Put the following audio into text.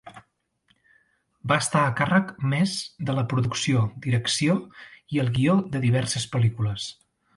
Va estar a càrrec més de la producció, direcció i el guió de diverses pel·lícules.